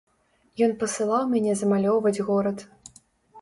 Ён пасылаў мяне замалёўваць горад.